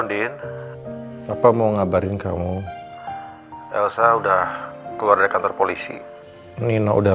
halo din papa mau ngabarin kamu elsa udah keluar dari kantor polisi mino udah